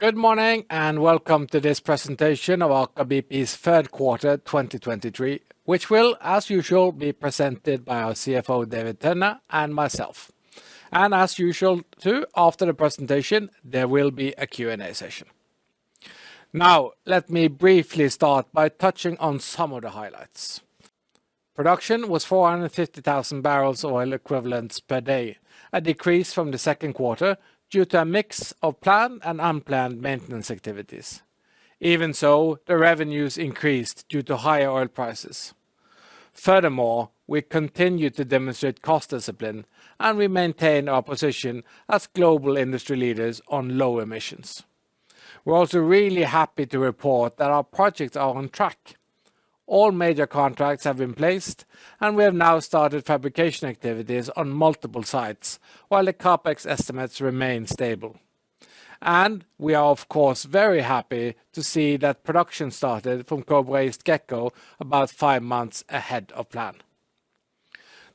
Good morning, and welcome to this presentation of Aker BP's third quarter 2023, which will, as usual, be presented by our CFO, David Tønne, and myself. As usual, too, after the presentation, there will be a Q&A session. Now, let me briefly start by touching on some of the highlights. Production was 450,000 barrels of oil equivalents per day, a decrease from the second quarter due to a mix of planned and unplanned maintenance activities. Even so, the revenues increased due to higher oil prices. Furthermore, we continued to demonstrate cost discipline, and we maintain our position as global industry leaders on low emissions. We're also really happy to report that our projects are on track. All major contracts have been placed, and we have now started fabrication activities on multiple sites, while the CapEx estimates remain stable. We are, of course, very happy to see that production started from Kobra East & Gekko about 5 months ahead of plan.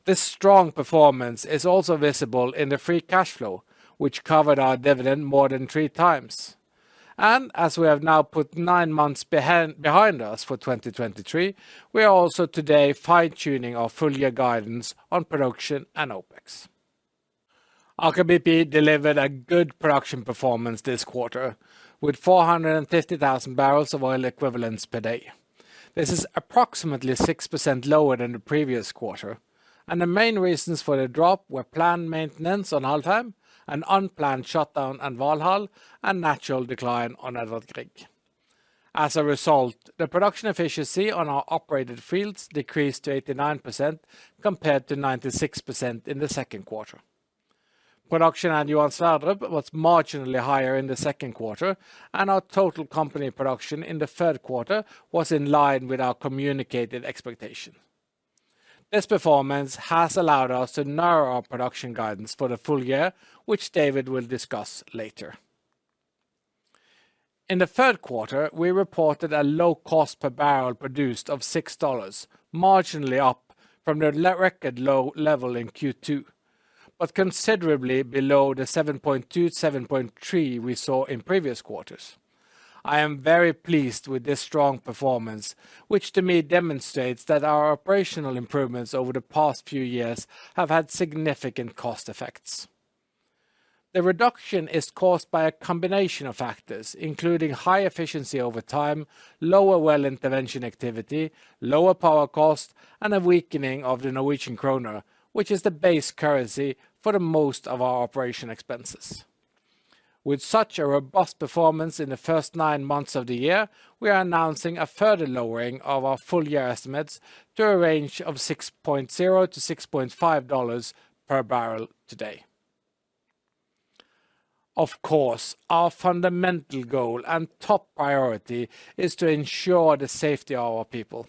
This strong performance is also visible in the free cash flow, which covered our dividend more than 3 times. As we have now put 9 months behind us for 2023, we are also today fine-tuning our full year guidance on production and OpEx. Aker BP delivered a good production performance this quarter with 450,000 barrels of oil equivalents per day. This is approximately 6% lower than the previous quarter, and the main reasons for the drop were planned maintenance on Alvheim and unplanned shutdown at Valhall, and natural decline on Edvard Grieg. As a result, the production efficiency on our operated fields decreased to 89%, compared to 96% in the second quarter. Production at Johan Sverdrup was marginally higher in the second quarter, and our total company production in the third quarter was in line with our communicated expectation. This performance has allowed us to narrow our production guidance for the full year, which David will discuss later. In the third quarter, we reported a low cost per barrel produced of $6, marginally up from the record low level in Q2, but considerably below the $7.2-$7.3 we saw in previous quarters. I am very pleased with this strong performance, which to me demonstrates that our operational improvements over the past few years have had significant cost effects. The reduction is caused by a combination of factors, including high efficiency over time, lower well intervention activity, lower power cost, and a weakening of the Norwegian kroner, which is the base currency for the most of our operation expenses. With such a robust performance in the first nine months of the year, we are announcing a further lowering of our full year estimates to a range of $6.0-$6.5 per barrel today. Of course, our fundamental goal and top priority is to ensure the safety of our people,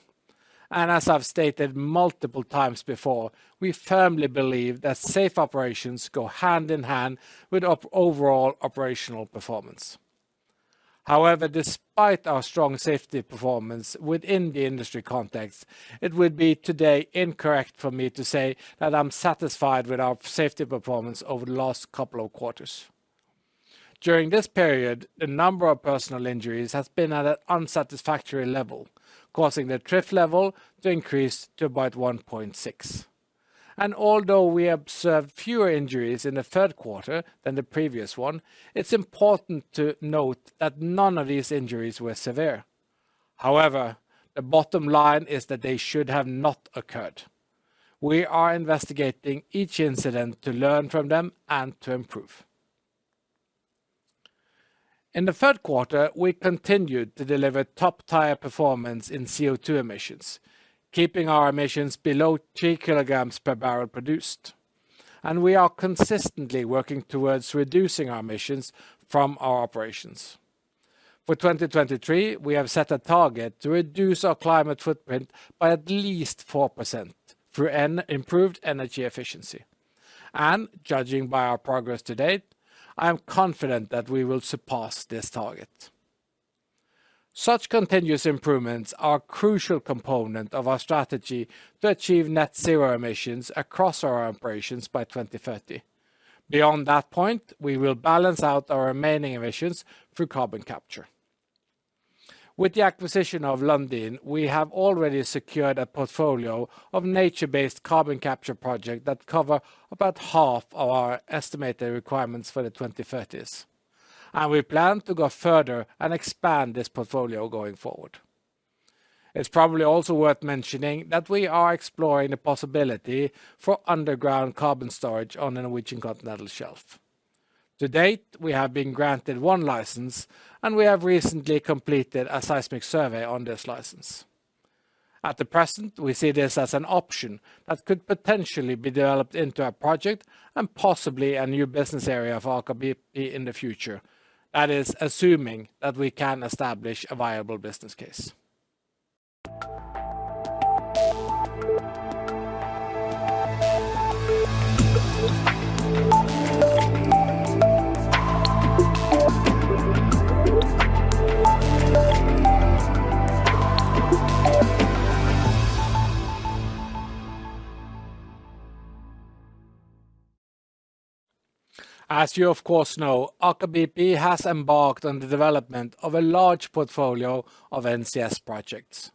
and as I've stated multiple times before, we firmly believe that safe operations go hand in hand with overall operational performance. However, despite our strong safety performance within the industry context, it would be today incorrect for me to say that I'm satisfied with our safety performance over the last couple of quarters. During this period, the number of personal injuries has been at an unsatisfactory level, causing the TRIF level to increase to about 1.6. Although we observed fewer injuries in the third quarter than the previous one, it's important to note that none of these injuries were severe. However, the bottom line is that they should have not occurred. We are investigating each incident to learn from them and to improve. In the third quarter, we continued to deliver top-tier performance in CO2 emissions, keeping our emissions below three kilograms per barrel produced, and we are consistently working towards reducing our emissions from our operations. For 2023, we have set a target to reduce our climate footprint by at least 4% through improved energy efficiency. Judging by our progress to date, I am confident that we will surpass this target. Such continuous improvements are a crucial component of our strategy to achieve net zero emissions across our operations by 2030. Beyond that point, we will balance out our remaining emissions through carbon capture. With the acquisition of Lundin, we have already secured a portfolio of nature-based carbon capture project that cover about half of our estimated requirements for the 2030s, and we plan to go further and expand this portfolio going forward. It's probably also worth mentioning that we are exploring the possibility for underground carbon storage on the Norwegian Continental Shelf. To date, we have been granted one license, and we have recently completed a seismic survey on this license. At the present, we see this as an option that could potentially be developed into a project and possibly a new business area for Aker BP in the future, that is, assuming that we can establish a viable business case. ... As you of course know, Aker BP has embarked on the development of a large portfolio of NCS projects,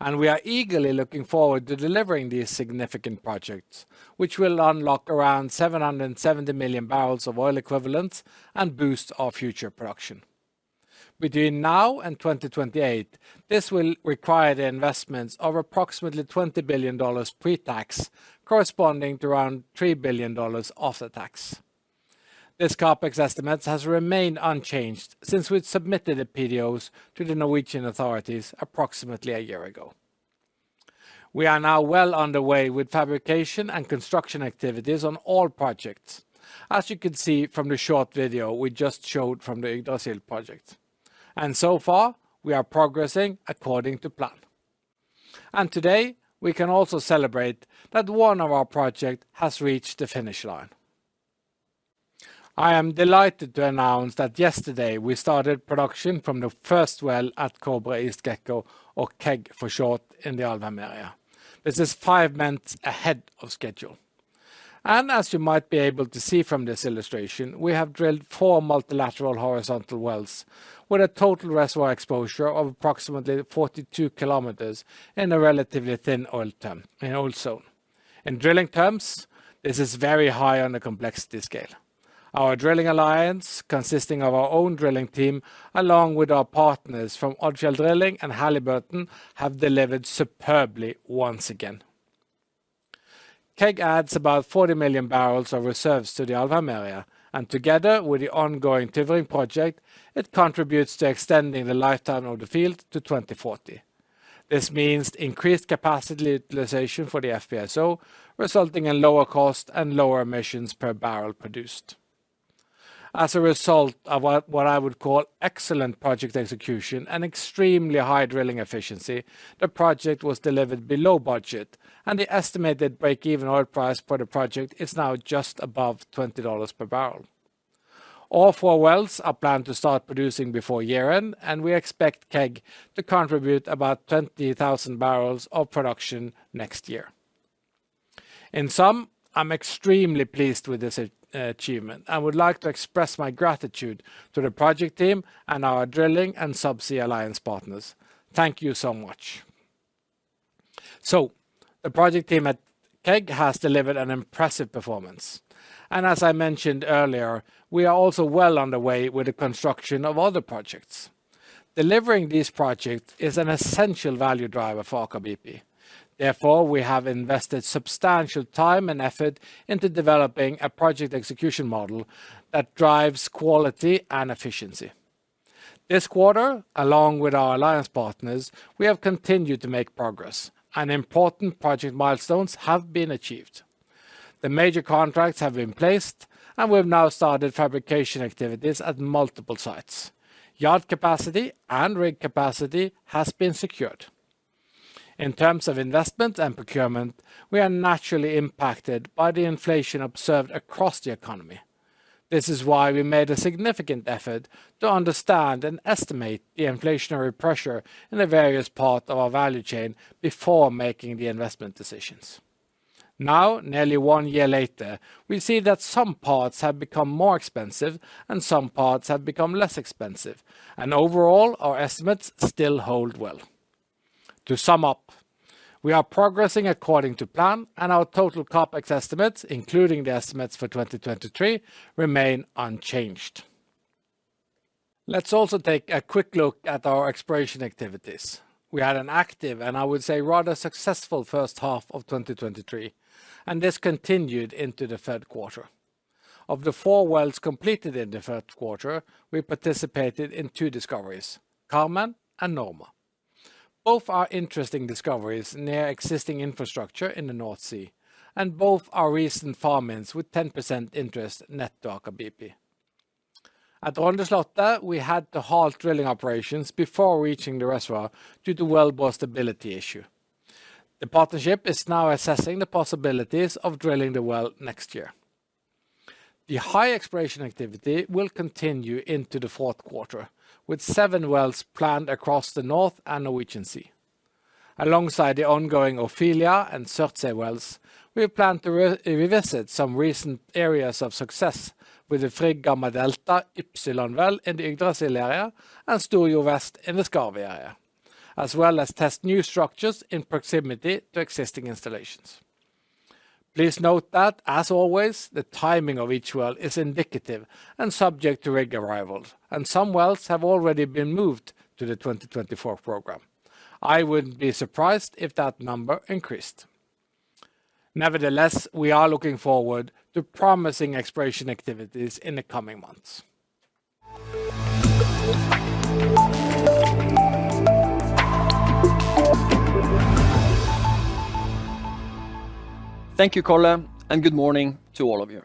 and we are eagerly looking forward to delivering these significant projects, which will unlock around 770 million barrels of oil equivalent and boost our future production. Between now and 2028, this will require the investments of approximately $20 billion pre-tax, corresponding to around $3 billion after tax. This CapEx estimate has remained unchanged since we submitted the PDOs to the Norwegian authorities approximately a year ago. We are now well on the way with fabrication and construction activities on all projects, as you can see from the short video we just showed from the Yggdrasil project, and so far, we are progressing according to plan. Today, we can also celebrate that one of our project has reached the finish line. I am delighted to announce that yesterday, we started production from the first well at Kobra East & Gekko, or KEG for short, in the Alvheim area. This is 5 months ahead of schedule. As you might be able to see from this illustration, we have drilled 4 multilateral horizontal wells, with a total reservoir exposure of approximately 42 kilometers in a relatively thin oil zone. In drilling terms, this is very high on the complexity scale. Our drilling alliance, consisting of our own drilling team, along with our partners from Odfjell Drilling and Halliburton, have delivered superbly once again. KEG adds about 40 million barrels of reserves to the Alvheim area, and together with the ongoing Tyrving project, it contributes to extending the lifetime of the field to 2040. This means increased capacity utilization for the FPSO, resulting in lower cost and lower emissions per barrel produced. As a result of what, what I would call excellent project execution and extremely high drilling efficiency, the project was delivered below budget, and the estimated break-even oil price for the project is now just above $20 per barrel. All four wells are planned to start producing before year-end, and we expect KEG to contribute about 20,000 barrels of production next year. In sum, I'm extremely pleased with this achievement and would like to express my gratitude to the project team and our drilling and subsea alliance partners. Thank you so much. So the project team at KEG has delivered an impressive performance, and as I mentioned earlier, we are also well on the way with the construction of other projects. Delivering these projects is an essential value driver for Aker BP. Therefore, we have invested substantial time and effort into developing a project execution model that drives quality and efficiency. This quarter, along with our alliance partners, we have continued to make progress, and important project milestones have been achieved. The major contracts have been placed, and we've now started fabrication activities at multiple sites. Yard capacity and rig capacity has been secured. In terms of investment and procurement, we are naturally impacted by the inflation observed across the economy. This is why we made a significant effort to understand and estimate the inflationary pressure in the various parts of our value chain before making the investment decisions. Now, nearly one year later, we see that some parts have become more expensive and some parts have become less expensive, and overall, our estimates still hold well. To sum up, we are progressing according to plan, and our total CapEx estimates, including the estimates for 2023, remain unchanged. Let's also take a quick look at our exploration activities. We had an active, and I would say, rather successful first half of 2023, and this continued into the third quarter. Of the four wells completed in the third quarter, we participated in two discoveries, Carmen and Norma. Both are interesting discoveries near existing infrastructure in the North Sea, and both are recent farm-ins with 10% interest net to Aker BP. At Rondeslottet, we had to halt drilling operations before reaching the reservoir due to well bore stability issue. The partnership is now assessing the possibilities of drilling the well next year. The high exploration activity will continue into the fourth quarter, with seven wells planned across the North Sea and Norwegian Sea. Alongside the ongoing Ofelia and Surtsey wells, we plan to revisit some recent areas of success with the Frigg Gamma Delta well in the Yggdrasil area and Storjo Vest in the Skarv area, as well as test new structures in proximity to existing installations. Please note that, as always, the timing of each well is indicative and subject to rig arrivals, and some wells have already been moved to the 2024 program. I wouldn't be surprised if that number increased. Nevertheless, we are looking forward to promising exploration activities in the coming months. Thank you, Karl, and good morning to all of you.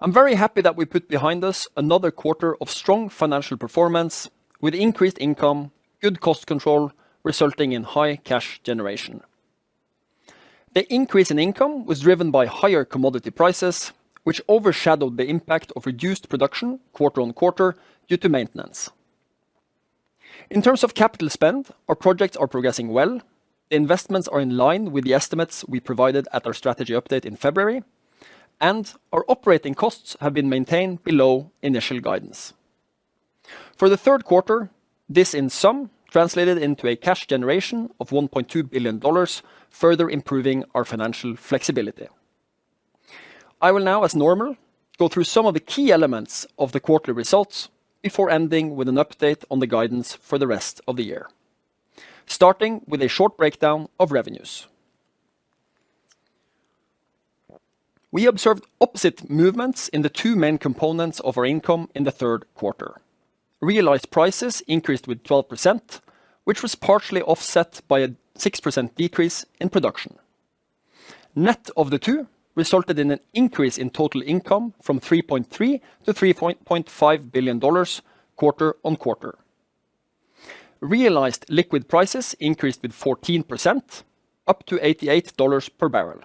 I'm very happy that we put behind us another quarter of strong financial performance with increased income, good cost control, resulting in high cash generation. The increase in income was driven by higher commodity prices, which overshadowed the impact of reduced production quarter on quarter due to maintenance. In terms of capital spend, our projects are progressing well. Investments are in line with the estimates we provided at our strategy update in February, and our operating costs have been maintained below initial guidance. For the third quarter, this in sum translated into a cash generation of $1.2 billion, further improving our financial flexibility. I will now, as normal, go through some of the key elements of the quarterly results before ending with an update on the guidance for the rest of the year. Starting with a short breakdown of revenues. We observed opposite movements in the two main components of our income in the third quarter. Realized prices increased with 12%, which was partially offset by a 6% decrease in production. Net of the two, resulted in an increase in total income from $3.3 billion to $3.5 billion quarter-over-quarter. Realized liquid prices increased with 14%, up to $88 per barrel.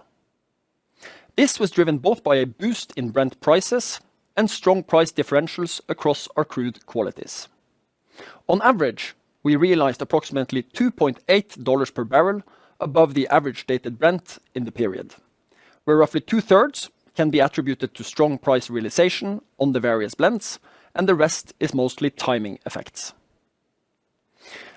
This was driven both by a boost in Brent prices and strong price differentials across our crude qualities. On average, we realized approximately $2.8 per barrel above the average dated Brent in the period, where roughly two-thirds can be attributed to strong price realization on the various blends, and the rest is mostly timing effects.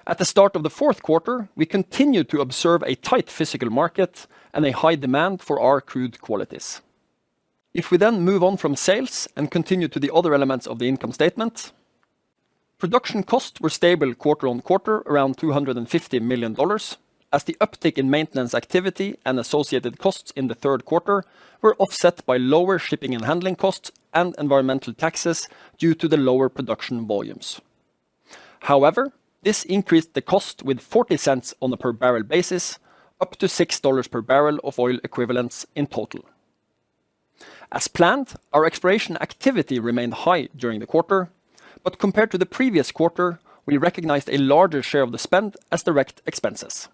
At the start of the fourth quarter, we continued to observe a tight physical market and a high demand for our crude qualities. If we then move on from sales and continue to the other elements of the income statement, production costs were stable quarter-on-quarter, around $250 million, as the uptick in maintenance activity and associated costs in the third quarter were offset by lower shipping and handling costs and environmental taxes due to the lower production volumes. However, this increased the cost with $0.40 on a per barrel basis, up to $6 per barrel of oil equivalents in total. As planned, our exploration activity remained high during the quarter, but compared to the previous quarter, we recognized a larger share of the spend as direct expenses.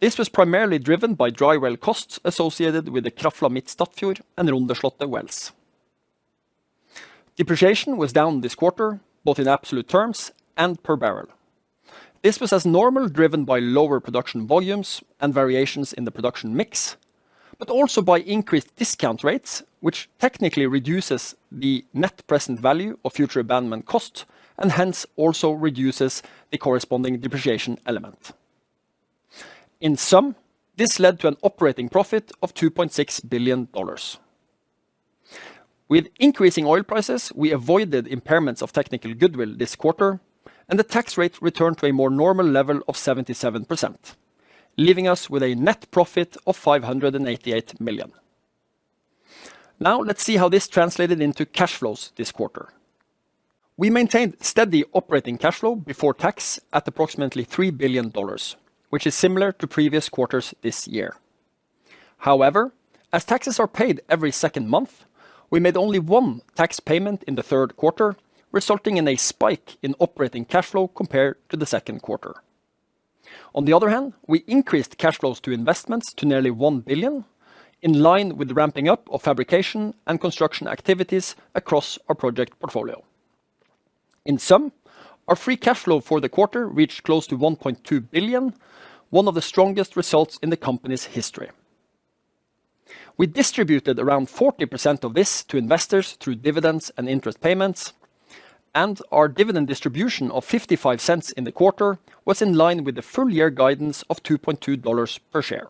This was primarily driven by dry well costs associated with the Krafla Midt Statfjord and Rondeslottet wells. Depreciation was down this quarter, both in absolute terms and per barrel. This was as normal, driven by lower production volumes and variations in the production mix, but also by increased discount rates, which technically reduces the net present value of future abandonment cost, and hence also reduces the corresponding depreciation element. In sum, this led to an operating profit of $2.6 billion. With increasing oil prices, we avoided impairments of technical goodwill this quarter, and the tax rate returned to a more normal level of 77%, leaving us with a net profit of $588 million. Now, let's see how this translated into cash flows this quarter. We maintained steady operating cash flow before tax at approximately $3 billion, which is similar to previous quarters this year. However, as taxes are paid every second month, we made only one tax payment in the third quarter, resulting in a spike in operating cash flow compared to the second quarter. On the other hand, we increased cash flows to investments to nearly $1 billion, in line with the ramping up of fabrication and construction activities across our project portfolio. In sum, our free cash flow for the quarter reached close to $1.2 billion, one of the strongest results in the company's history. We distributed around 40% of this to investors through dividends and interest payments, and our dividend distribution of $0.55 in the quarter was in line with the full year guidance of $2.2 per share.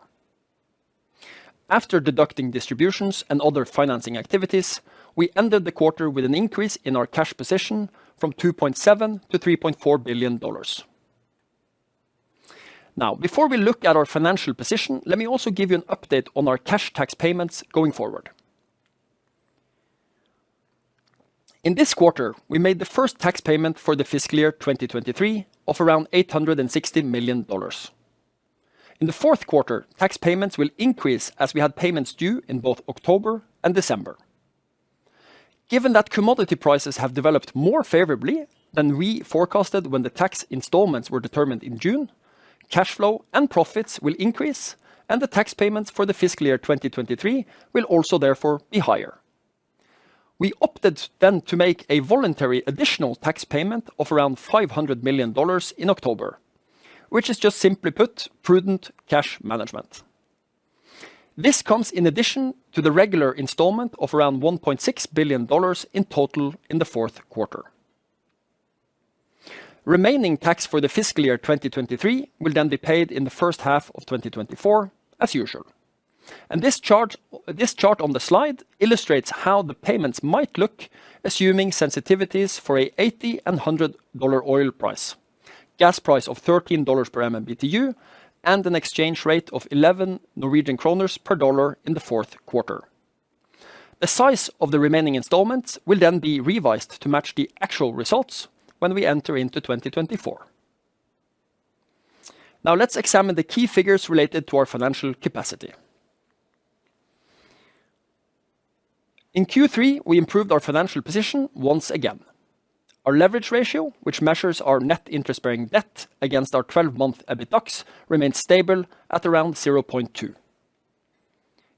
After deducting distributions and other financing activities, we ended the quarter with an increase in our cash position from $2.7 billion to $3.4 billion. Now, before we look at our financial position, let me also give you an update on our cash tax payments going forward. In this quarter, we made the first tax payment for the fiscal year 2023 of around $860 million. In the fourth quarter, tax payments will increase as we had payments due in both October and December. Given that commodity prices have developed more favorably than we forecasted when the tax installments were determined in June, cash flow and profits will increase, and the tax payments for the fiscal year 2023 will also therefore be higher. We opted then to make a voluntary additional tax payment of around $500 million in October, which is just simply put, prudent cash management. This comes in addition to the regular installment of around $1.6 billion in total in the fourth quarter. Remaining tax for the fiscal year 2023 will then be paid in the first half of 2024, as usual. This chart, this chart on the slide illustrates how the payments might look, assuming sensitivities for $80-$100 oil price, gas price of $13 per MMBtu, and an exchange rate of 11 Norwegian kroner per dollar in the fourth quarter. The size of the remaining installments will then be revised to match the actual results when we enter into 2024. Now, let's examine the key figures related to our financial capacity. In Q3, we improved our financial position once again. Our leverage ratio, which measures our net interest-bearing debt against our 12-month EBITDA, remains stable at around 0.2.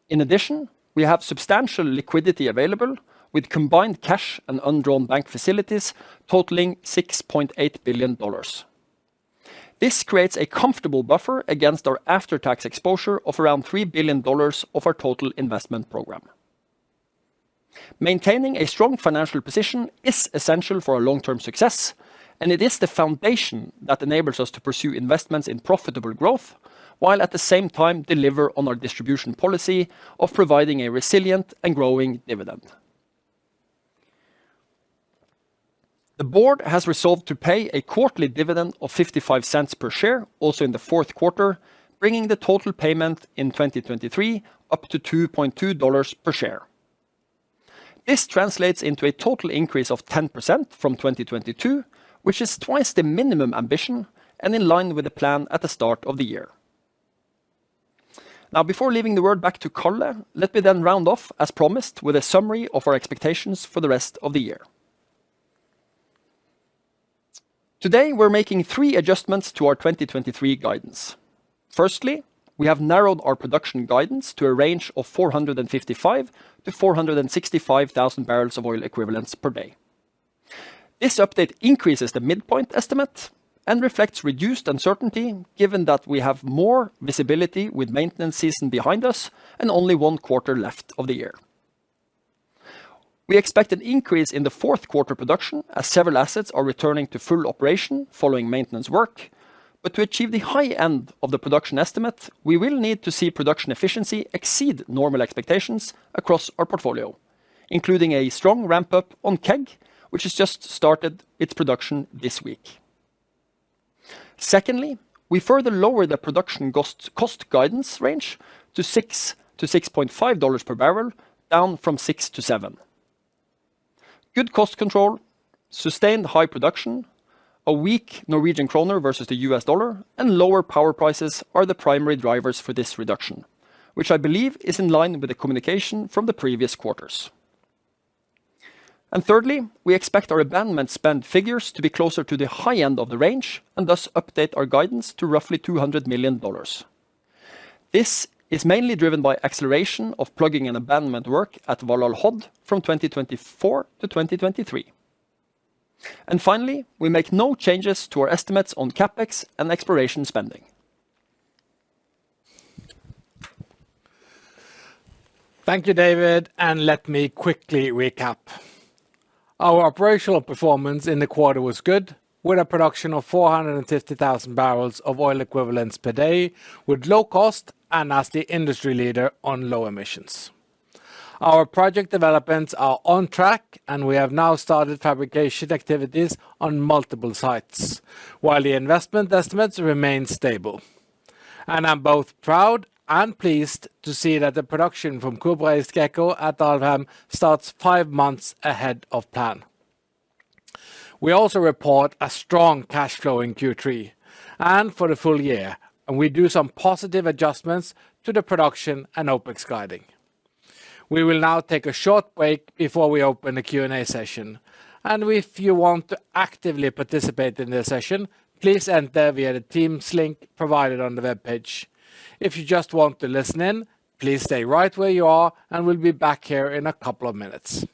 In addition, we have substantial liquidity available with combined cash and undrawn bank facilities totaling $6.8 billion. This creates a comfortable buffer against our after-tax exposure of around $3 billion of our total investment program. Maintaining a strong financial position is essential for our long-term success, and it is the foundation that enables us to pursue investments in profitable growth, while at the same time deliver on our distribution policy of providing a resilient and growing dividend. The board has resolved to pay a quarterly dividend of $0.55 per share, also in the fourth quarter, bringing the total payment in 2023 up to $2.2 per share. This translates into a total increase of 10% from 2022, which is twice the minimum ambition and in line with the plan at the start of the year. Now, before leaving the word back to Calle, let me then round off, as promised, with a summary of our expectations for the rest of the year. Today, we're making three adjustments to our 2023 guidance. Firstly, we have narrowed our production guidance to a range of 455-465 thousand barrels of oil equivalents per day. This update increases the midpoint estimate and reflects reduced uncertainty, given that we have more visibility with maintenance season behind us and only one quarter left of the year. We expect an increase in the fourth quarter production as several assets are returning to full operation following maintenance work. But to achieve the high end of the production estimate, we will need to see production efficiency exceed normal expectations across our portfolio, including a strong ramp-up on KEG, which has just started its production this week. Secondly, we further lower the production cost guidance range to $6-$6.5 per barrel, down from $6-$7. Good cost control, sustained high production, a weak Norwegian kroner versus the US dollar, and lower power prices are the primary drivers for this reduction, which I believe is in line with the communication from the previous quarters. And thirdly, we expect our abandonment spend figures to be closer to the high end of the range, and thus update our guidance to roughly $200 million. This is mainly driven by acceleration of plugging and abandonment work at Valhall Hod from 2024 to 2023. Finally, we make no changes to our estimates on CapEx and exploration spending. Thank you, David, and let me quickly recap. Our operational performance in the quarter was good, with a production of 450,000 barrels of oil equivalents per day, with low cost and as the industry leader on low emissions. Our project developments are on track, and we have now started fabrication activities on multiple sites, while the investment estimates remain stable. I'm both proud and pleased to see that the production from Kobra Gekko at Alvheim starts five months ahead of plan. We also report a strong cash flow in Q3 and for the full year, and we do some positive adjustments to the production and OpEx guiding. We will now take a short break before we open the Q&A session, and if you want to actively participate in this session, please enter via the Teams link provided on the webpage. If you just want to listen in, please stay right where you are, and we'll be back here in a couple of minutes.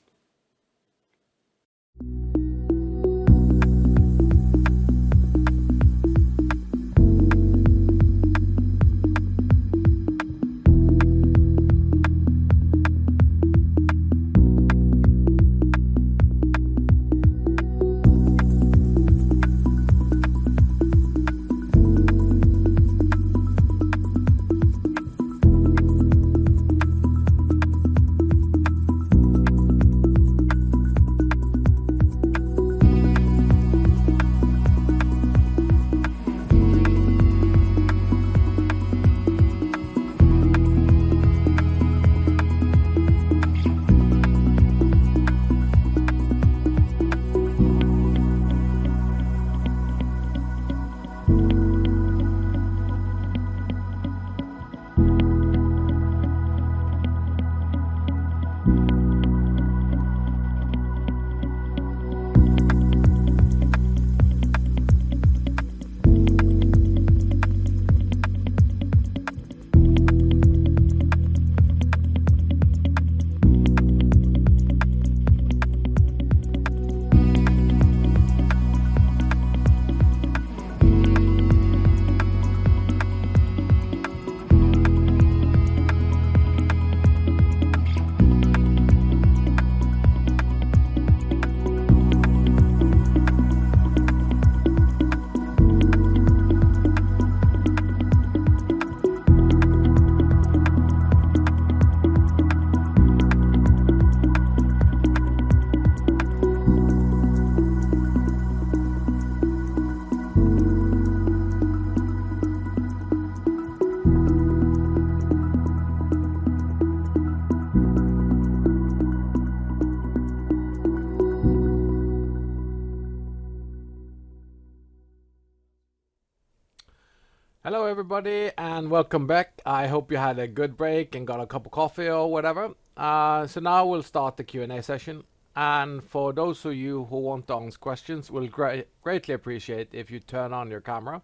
Hello, everybody, and welcome back. I hope you had a good break and got a cup of coffee or whatever. Now we'll start the Q&A session, and for those of you who want to ask questions, we'll greatly appreciate if you turn on your camera.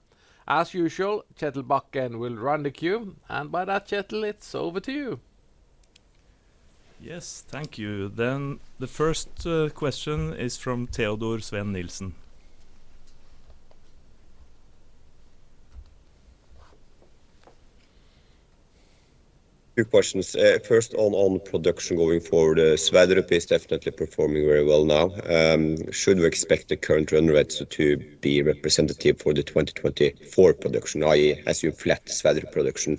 As usual, Kjetil Bakken will run the queue, and by that, Kjetil, it's over to you.... Yes. Thank you. Then the first question is from Teodor Sveen-Nilsen. Two questions. First, on production going forward, Sverdrup is definitely performing very well now. Should we expect the current run rates to be representative for the 2024 production, i.e., as you flat Sverdrup production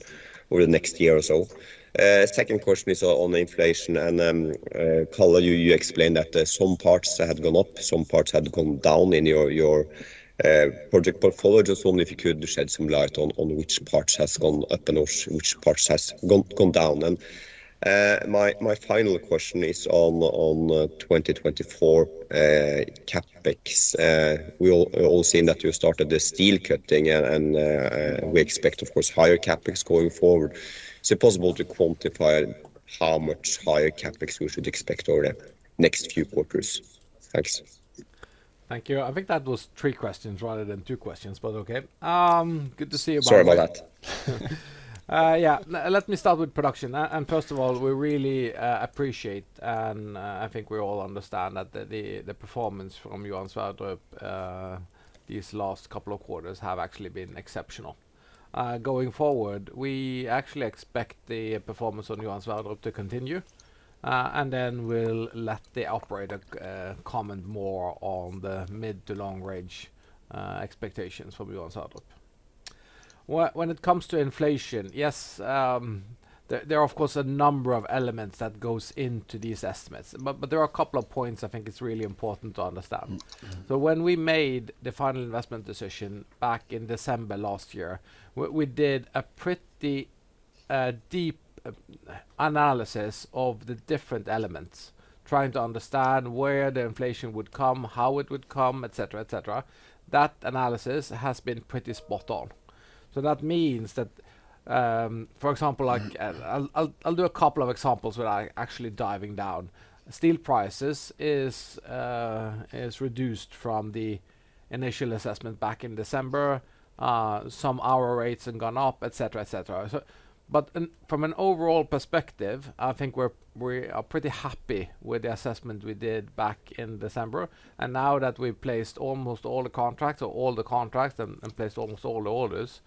over the next year or so? Second question is on inflation and, Calle, you explained that some parts had gone up, some parts had gone down in your project portfolio. Just wondering if you could shed some light on which parts has gone up and which parts has gone down. And, my final question is on 2024 CapEx. We've all seen that you started the steel cutting and we expect, of course, higher CapEx going forward. Is it possible to quantify how much higher CapEx we should expect over the next few quarters? Thanks. Thank you. I think that was three questions rather than two questions, but okay. Good to see you back. Sorry about that. Let me start with production. First of all, we really appreciate, and I think we all understand that the performance from Johan Sverdrup these last couple of quarters have actually been exceptional. Going forward, we actually expect the performance on Johan Sverdrup to continue, and then we'll let the operator comment more on the mid- to long-range expectations for Johan Sverdrup. When it comes to inflation, yes, there are, of course, a number of elements that goes into these estimates, but there are a couple of points I think it's really important to understand. Mm-hmm. So when we made the final investment decision back in December last year, we did a pretty deep analysis of the different elements, trying to understand where the inflation would come, how it would come, et cetera, et cetera. That analysis has been pretty spot on. So that means that, for example, like, I'll do a couple of examples without actually diving down. Steel prices is reduced from the initial assessment back in December, some hour rates have gone up, et cetera, et cetera. But from an overall perspective, I think we're, we are pretty happy with the assessment we did back in December. Now that we've placed almost all the contracts or all the contracts and placed almost all the orders,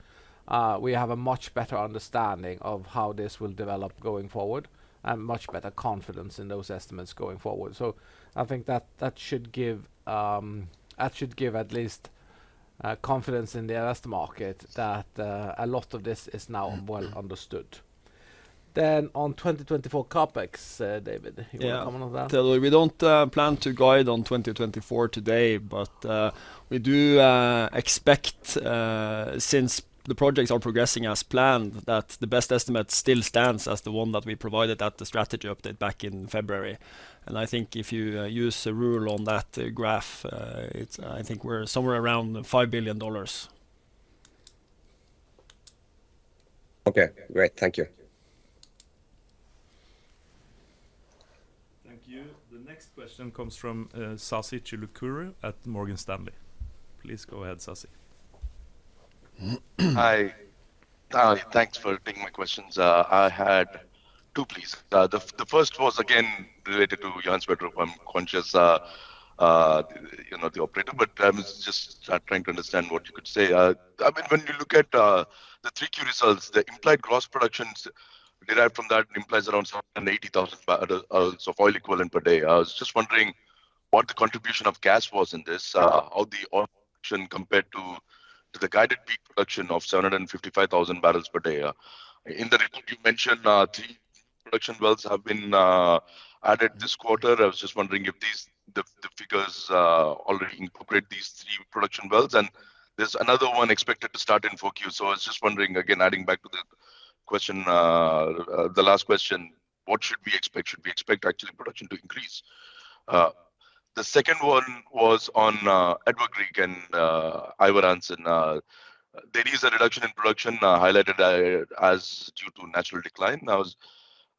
we have a much better understanding of how this will develop going forward, and much better confidence in those estimates going forward. I think that should give at least confidence in the analyst market that a lot of this is now well understood. On 2024 CapEx, David, you wanna comment on that? Yeah. Teodor, we don't plan to guide on 2024 today, but we do expect, since the projects are progressing as planned, that the best estimate still stands as the one that we provided at the strategy update back in February. And I think if you use a ruler on that graph, it's, I think we're somewhere around $5 billion. Okay, great. Thank you. Thank you. The next question comes from Sasikanth Chilukuri at Morgan Stanley. Please go ahead, Sasi. Hi. Thanks for taking my questions. I had two, please. The first was again related to Johan Sverdrup. I'm conscious you're not the operator, but I was just start trying to understand what you could say. I mean, when you look at the 3Q results, the implied gross productions derived from that implies around 780,000 barrels of oil equivalent per day. I was just wondering what the contribution of gas was in this, how the oil production compared to the guided peak production of 755,000 barrels per day? In the report you mentioned three production wells have been added this quarter. I was just wondering if these the figures already incorporate these three production wells, and there's another one expected to start in 4Q. So I was just wondering, again, adding back to the question, the last question, what should we expect? Should we expect actually production to increase? The second one was on, Edvard Grieg and, Ivar Aasen, there is a reduction in production, highlighted, as due to natural decline.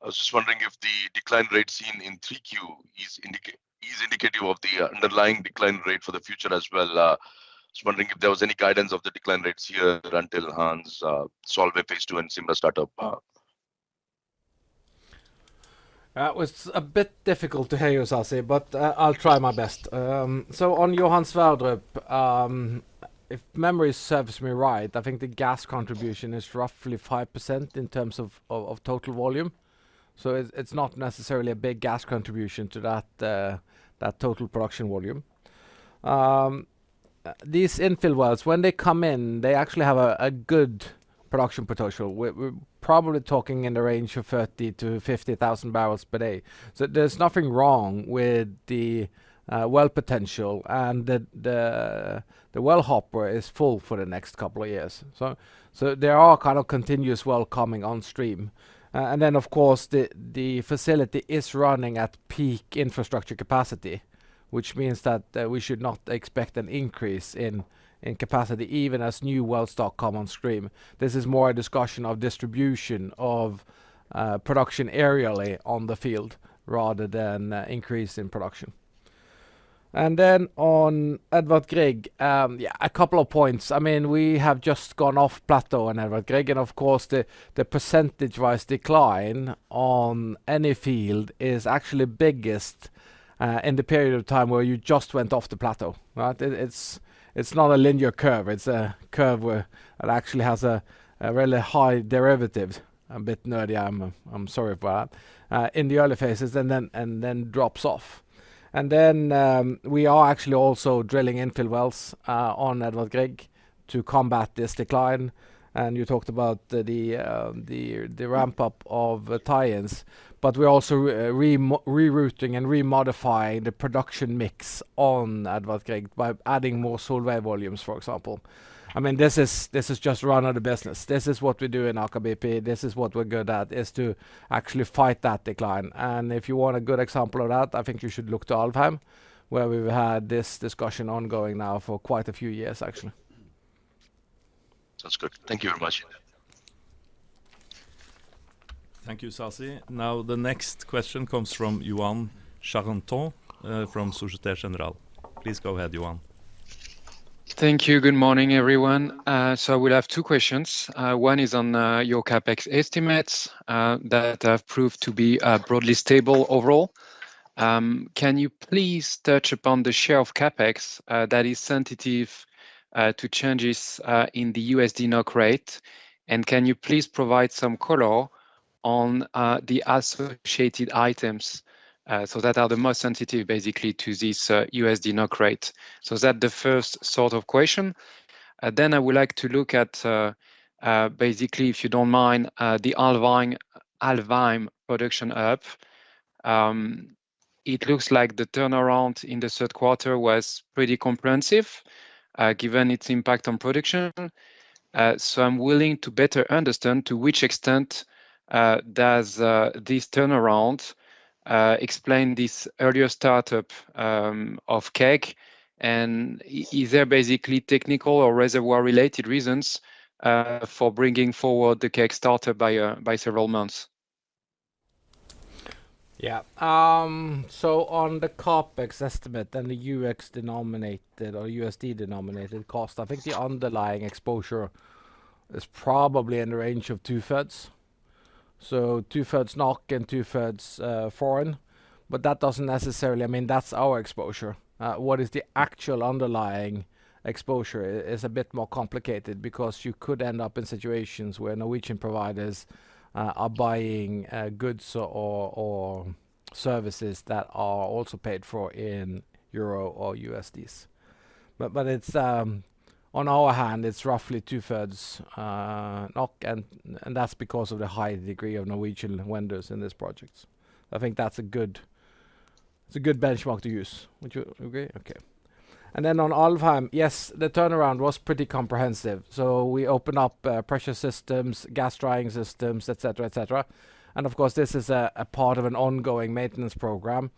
I was just wondering if the decline rate seen in 3Q is indicative of the, underlying decline rate for the future as well. Just wondering if there was any guidance of the decline rates here until Hanz, Solveig Phase Two and Symra start up? It was a bit difficult to hear you, Sasi, but, I'll try my best. So on Johan Sverdrup, if memory serves me right, I think the gas contribution is roughly 5% in terms of total volume. So it's not necessarily a big gas contribution to that total production volume. These infill wells, when they come in, they actually have a good production potential. We're probably talking in the range of 30,000-50,000 barrels per day. So there's nothing wrong with the well potential and the well hopper is full for the next couple of years. So there are kind of continuous well coming on stream. And then of course, the facility is running at peak infrastructure capacity, which means that we should not expect an increase in capacity, even as new well start come on stream. This is more a discussion of distribution of production aerially on the field rather than increase in production. And then on Edvard Grieg, yeah, a couple of points. I mean, we have just gone off plateau on Edvard Grieg, and of course, the percentage-wise decline on any field is actually biggest in the period of time where you just went off the plateau, right? It's not a linear curve, it's a curve where it actually has a really high derivative. A bit nerdy, I'm sorry about that. In the early phases, and then drops off. And then, we are actually also drilling infill wells on Edvard Grieg to combat this decline. And you talked about the ramp-up of tie-ins, but we're also rerouting and remodifying the production mix on Edvard Grieg by adding more Solveig volumes, for example. I mean, this is just run of the business. This is what we do in Aker BP. This is what we're good at, is to actually fight that decline. And if you want a good example of that, I think you should look to Alvheim, where we've had this discussion ongoing now for quite a few years, actually. Sounds good. Thank you very much. Thank you, Sasi. Now, the next question comes from Yoann Charenton from Société Générale. Please go ahead, Yoann. Thank you. Good morning, everyone. So I will have two questions. One is on your CapEx estimates that have proved to be broadly stable overall. Can you please touch upon the share of CapEx that is sensitive to changes in the USD NOK rate? And can you please provide some color on the associated items so that are the most sensitive, basically, to this USD NOK rate? So is that the first sort of question. Then I would like to look at, basically, if you don't mind, the Alvheim production hub. It looks like the turnaround in the third quarter was pretty comprehensive, given its impact on production. So I'm willing to better understand to which extent does this turnaround explain this earlier startup of KEG? Is there basically technical or reservoir-related reasons for bringing forward the KEG startup by several months? Yeah. So on the CapEx estimate and the NOK-denominated or USD-denominated cost, I think the underlying exposure is probably in the range of 2/3. So 2/3 NOK and 2/3 foreign, but that doesn't necessarily mean that's our exposure. What is the actual underlying exposure is a bit more complicated because you could end up in situations where Norwegian providers are buying goods or services that are also paid for in euro or USD. But it's on our hand, it's roughly 2/3 NOK, and that's because of the high degree of Norwegian vendors in these projects. I think that's a good, it's a good benchmark to use. Would you agree? Okay. And then on Alvheim, yes, the turnaround was pretty comprehensive. So we opened up pressure systems, gas drying systems, et cetera. Of course, this is a part of an ongoing maintenance program,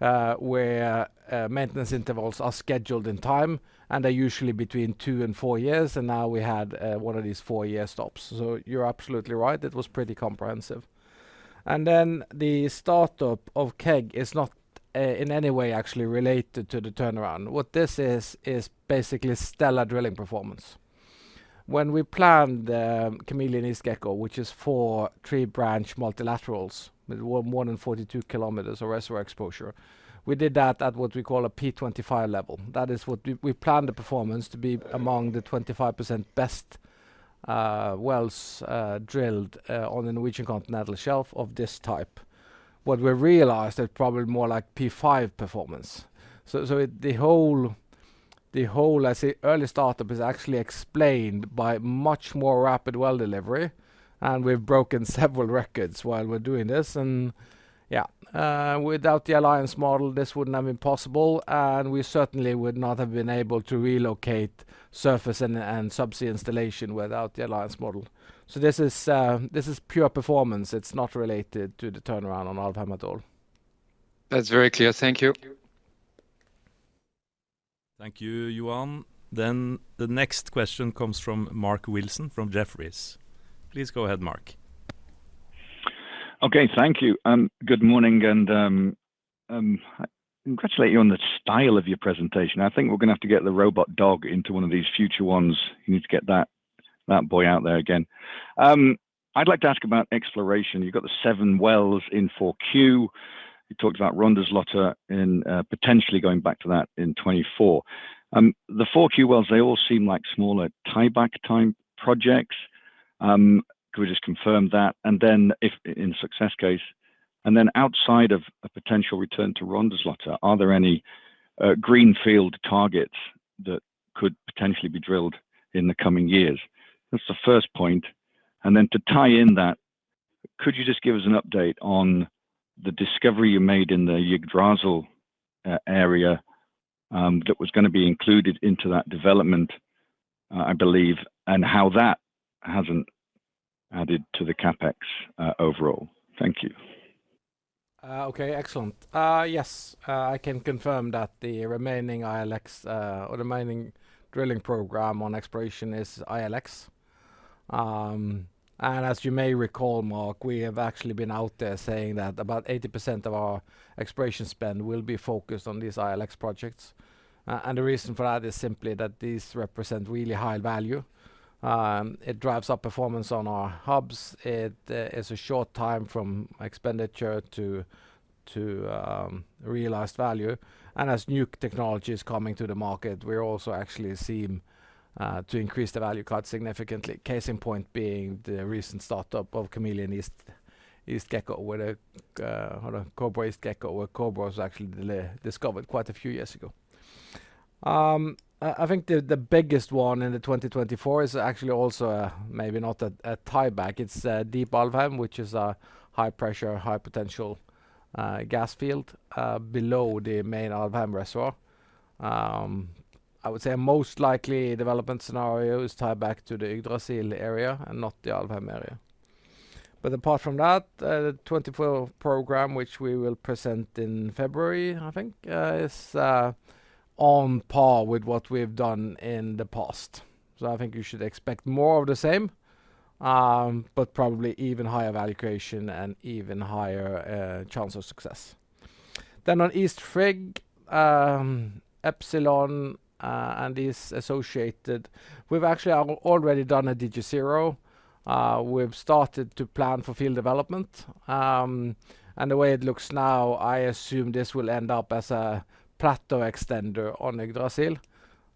where maintenance intervals are scheduled in time, and they're usually between 2 and 4 years, and now we had one of these 4-year stops. So you're absolutely right, it was pretty comprehensive. And then the startup of KEG is not in any way actually related to the turnaround. What this is, is basically stellar drilling performance. When we planned Kobra East & Gekko, which is four 3-branch multilaterals with more than 42 km of reservoir exposure, we did that at what we call a P25 level. That is what we planned the performance to be among the 25% best wells drilled on the Norwegian Continental Shelf of this type. What we realized is probably more like P5 performance. So the whole early startup is actually explained by much more rapid well delivery, and we've broken several records while we're doing this. And yeah, without the Alliance Model, this wouldn't have been possible, and we certainly would not have been able to relocate surface and subsea installation without the Alliance Model. So this is, this is pure performance. It's not related to the turnaround on Alvheim at all. That's very clear. Thank you. Thank you, Johan. Then the next question comes from Mark Wilson, from Jefferies. Please go ahead, Mark. Okay, thank you. Good morning, and, I congratulate you on the style of your presentation. I think we're gonna have to get the robot dog into one of these future ones. You need to get that, that boy out there again. I'd like to ask about exploration. You've got the 7 wells in 4Q. You talked about Rondeslottet and, potentially going back to that in 2024. The 4Q wells, they all seem like smaller tieback-type projects. Could we just confirm that? And then if in success case, and then outside of a potential return to Rondeslottet, are there any, greenfield targets that could potentially be drilled in the coming years? That's the first point. And then to tie in that, could you just give us an update on the discovery you made in the Yggdrasil area, that was gonna be included into that development, I believe, and how that hasn't added to the CapEx overall? Thank you. Okay, excellent. Yes, I can confirm that the remaining ILX, or the ongoing drilling program on exploration is ILX. And as you may recall, Mark, we have actually been out there saying that about 80% of our exploration spend will be focused on these ILX projects. And the reason for that is simply that these represent really high value. It drives up performance on our hubs, it is a short time from expenditure to realized value. And as new technology is coming to the market, we're also actually seem to increase the value quite significantly. Case in point being the recent start-up of Kobra East & Gekko, where Kobra was actually discovered quite a few years ago. I think the biggest one in 2024 is actually also maybe not a tieback. It's Deep Alvheim, which is a high-pressure, high-potential gas field below the main Alvheim reservoir. I would say most likely development scenario is tied back to the Yggdrasil area and not the Alvheim area. But apart from that, the 2024 program, which we will present in February, I think is on par with what we've done in the past. So I think you should expect more of the same, but probably even higher valuation and even higher chance of success. Then on East Frigg, Epsilon, and East Associated, we've actually already done a DG0. We've started to plan for field development. And the way it looks now, I assume this will end up as a plateau extender on Yggdrasil.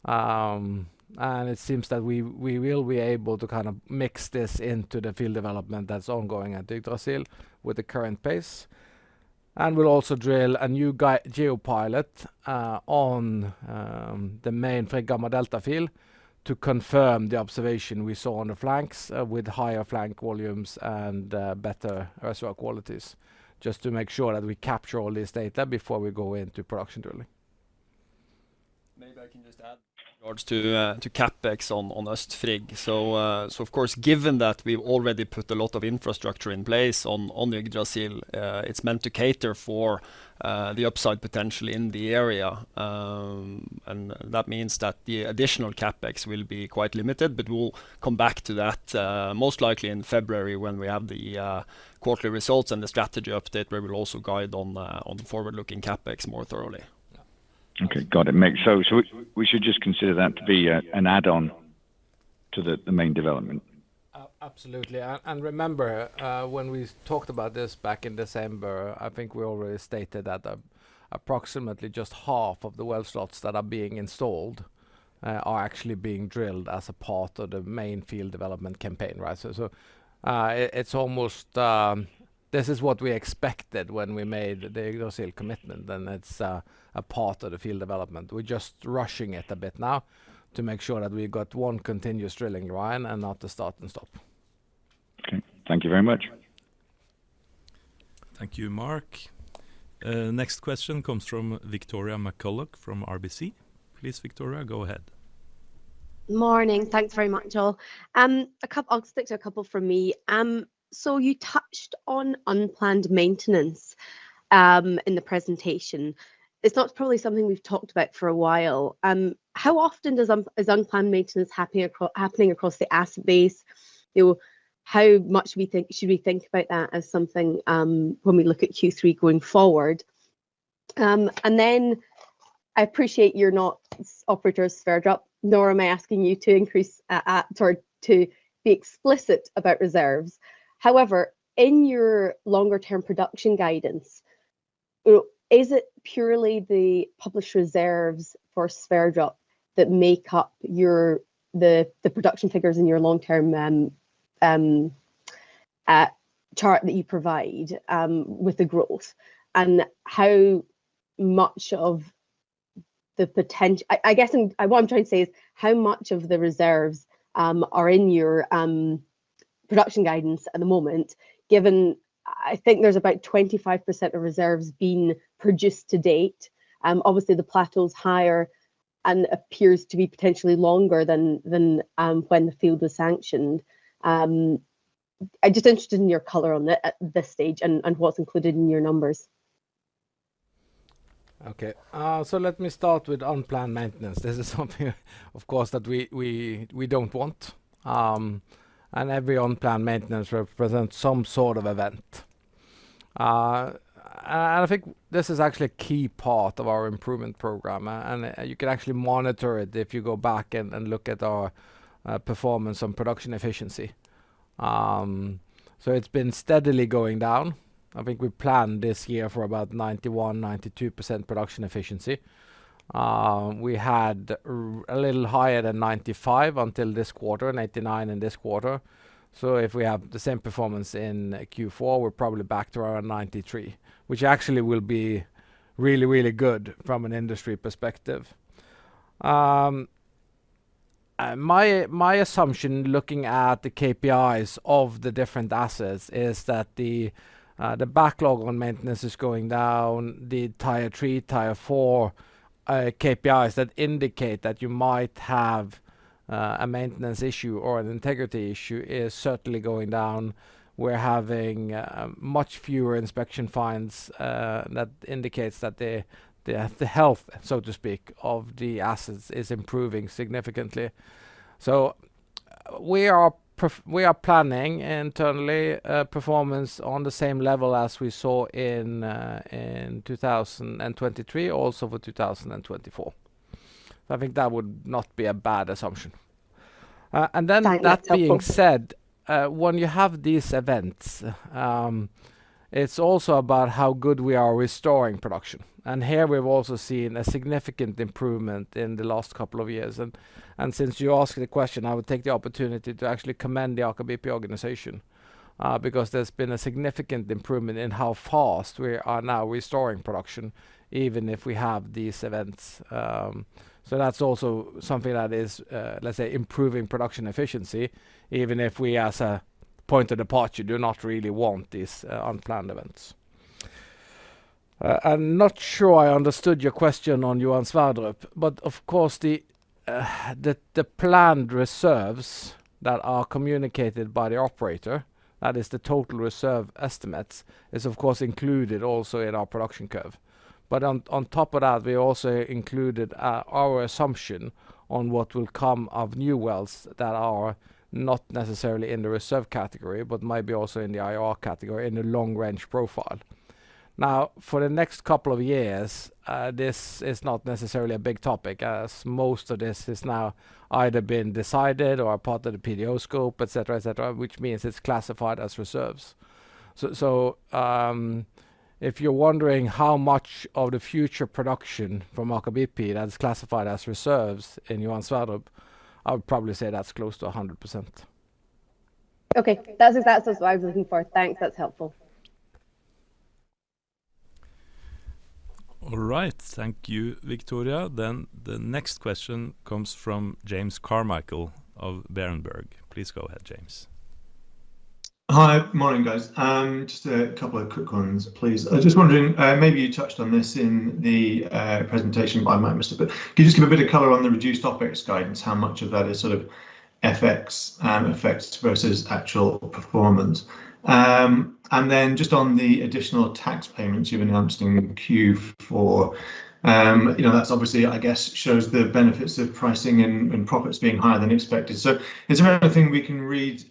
And it seems that we, we will be able to kind of mix this into the field development that's ongoing at Yggdrasil with the current pace. And we'll also drill a new Geopilot on the main Frigg Gamma Delta field to confirm the observation we saw on the flanks with higher flank volumes and better reservoir qualities, just to make sure that we capture all this data before we go into production drilling. Maybe I can just add regards to, to CapEx on, on Øst Frigg. So, so of course, given that we've already put a lot of infrastructure in place on, on the Yggdrasil, it's meant to cater for, the upside potential in the area. And that means that the additional CapEx will be quite limited, but we'll come back to that, most likely in February when we have the, quarterly results and the strategy update, where we'll also guide on the, on the forward-looking CapEx more thoroughly. Yeah. Okay, got it. So we should just consider that to be an add-on to the main development? Absolutely. And remember, when we talked about this back in December, I think we already stated that approximately just half of the well slots that are being installed are actually being drilled as a part of the main field development campaign, right? So, it's almost this is what we expected when we made the Yggdrasil commitment, and it's a part of the field development. We're just rushing it a bit now to make sure that we've got one continuous drilling line and not to start and stop. Okay. Thank you very much. Thank you, Mark. Next question comes from Victoria McCulloch from RBC. Please, Victoria, go ahead. Morning. Thanks very much, all. I'll stick to a couple from me. So you touched on unplanned maintenance in the presentation. It's not probably something we've talked about for a while. How often does unplanned maintenance happen across the asset base? You know, should we think about that as something when we look at Q3 going forward? And then I appreciate you're not operator of Sleipner, nor am I asking you to increase or to be explicit about reserves. However, in your longer-term production guidance, you know, is it purely the published reserves for Sleipner that make up your, the production figures in your long-term chart that you provide with the growth? How much of the reserves are in your production guidance at the moment, given I think there's about 25% of reserves being produced to date? Obviously, the plateau is higher and appears to be potentially longer than when the field was sanctioned. I'm just interested in your color on it at this stage and what's included in your numbers. Okay. So let me start with unplanned maintenance. This is something of course that we don't want. And every unplanned maintenance represents some sort of event. And I think this is actually a key part of our improvement program, and you can actually monitor it if you go back and look at our performance on production efficiency. So it's been steadily going down. I think we planned this year for about 91%-92% production efficiency. We had a little higher than 95% until this quarter, 99% in this quarter. So if we have the same performance in Q4, we're probably back to around 93%, which actually will be really, really good from an industry perspective. My assumption, looking at the KPIs of the different assets, is that the backlog on maintenance is going down, the tier three, tier four KPIs that indicate that you might have a maintenance issue or an integrity issue is certainly going down. We're having much fewer inspection finds that indicates that the health, so to speak, of the assets is improving significantly. We are planning internally performance on the same level as we saw in 2023, also for 2024. I think that would not be a bad assumption. And then that being said, when you have these events, it's also about how good we are restoring production, and here we've also seen a significant improvement in the last couple of years. And since you asked the question, I would take the opportunity to actually commend the Aker BP organization, because there's been a significant improvement in how fast we are now restoring production, even if we have these events. So that's also something that is, let's say, improving production efficiency, even if we, as a point of departure, do not really want these unplanned events. I'm not sure I understood your question on Johan Sverdrup, but of course, the planned reserves that are communicated by the operator, that is the total reserve estimates, is of course, included also in our production curve. But on top of that, we also included our assumption on what will come of new wells that are not necessarily in the reserve category, but might be also in the IR category, in the long-range profile. Now, for the next couple of years, this is not necessarily a big topic, as most of this has now either been decided or are part of the PDO scope, et cetera, et cetera, which means it's classified as reserves. So, if you're wondering how much of the future production from Aker BP that's classified as reserves in Johan Sverdrup, I would probably say that's close to 100%. Okay, that is, that's what I was looking for. Thanks, that's helpful. All right. Thank you, Victoria. Then the next question comes from James Carmichael of Berenberg. Please go ahead, James. Hi. Morning, guys. Just a couple of quick ones, please. I was just wondering, maybe you touched on this in the presentation, I might have missed it, but could you just give a bit of color on the reduced opex guidance? How much of that is sort of FX effects versus actual performance? And then just on the additional tax payments you've announced in Q4, you know, that's obviously, I guess, shows the benefits of pricing and profits being higher than expected. So is there anything we can read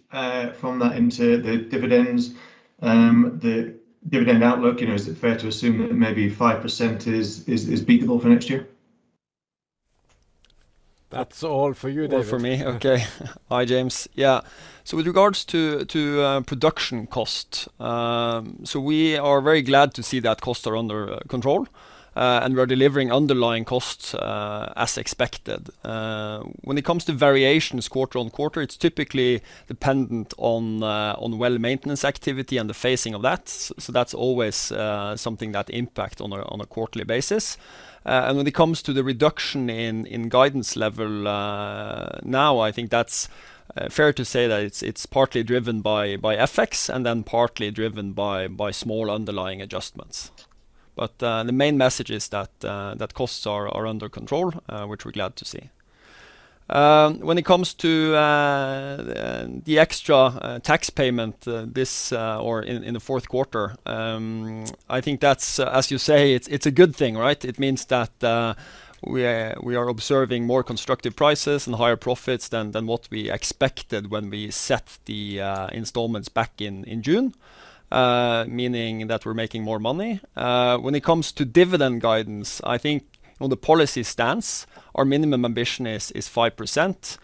from that into the dividends, the dividend outlook? You know, is it fair to assume that maybe 5% is beatable for next year? That's all for you, David. All for me, okay. Hi, James. Yeah, so with regards to production cost, so we are very glad to see that costs are under control, and we're delivering underlying costs as expected. When it comes to variations quarter on quarter, it's typically dependent on on well maintenance activity and the phasing of that, so that's always something that impact on a on a quarterly basis. And when it comes to the reduction in in guidance level, now I think that's fair to say that it's it's partly driven by by FX and then partly driven by by small underlying adjustments. But the main message is that that costs are are under control, which we're glad to see. When it comes to the extra tax payment this or in the fourth quarter, I think that's, as you say, it's a good thing, right? It means that we are observing more constructive prices and higher profits than what we expected when we set the installments back in June. Meaning that we're making more money. When it comes to dividend guidance, I think on the policy stance, our minimum ambition is 5%.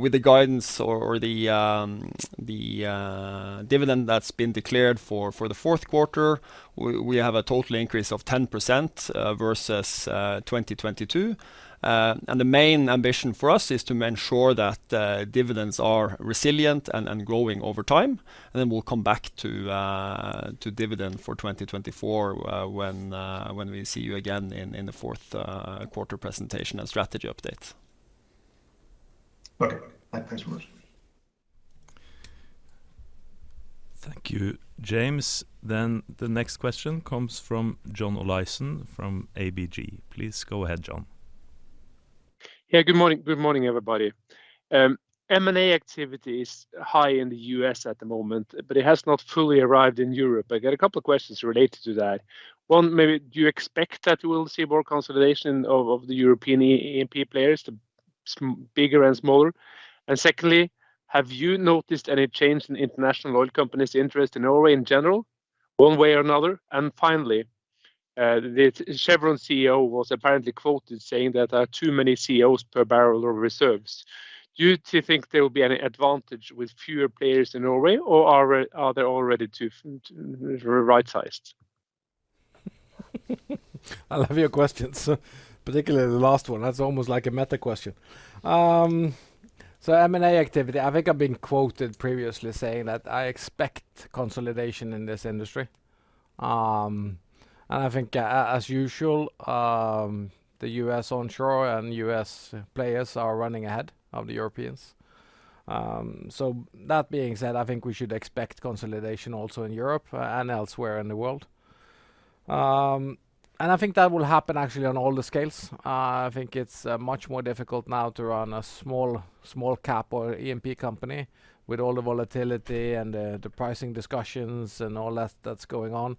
With the guidance or the dividend that's been declared for the fourth quarter, we have a total increase of 10% versus 2022. And the main ambition for us is to ensure that dividends are resilient and growing over time. And then we'll come back to dividend for 2024, when we see you again in the fourth quarter presentation and strategy update. Okay. Thanks very much. Thank you, James. Then the next question comes from John Olaisen from ABG. Please go ahead, John. Yeah. Good morning. Good morning, everybody. M&A activity is high in the US at the moment, but it has not fully arrived in Europe. I got a couple of questions related to that. One, maybe do you expect that we'll see more consolidation of the European E&P players, the smaller and bigger? And secondly, have you noticed any change in international oil companies' interest in Norway in general, one way or another? And finally, the Chevron CEO was apparently quoted saying that there are too many CEOs per barrel of reserves. Do you think there will be any advantage with fewer players in Norway, or are there already too few, right-sized? I love your questions, particularly the last one. That's almost like a meta question. So M&A activity, I think I've been quoted previously saying that I expect consolidation in this industry. And I think as usual, the U.S. onshore and U.S. players are running ahead of the Europeans. So that being said, I think we should expect consolidation also in Europe, and elsewhere in the world. And I think that will happen actually on all the scales. I think it's much more difficult now to run a small, small cap or EMP company with all the volatility and the pricing discussions and all that that's going on.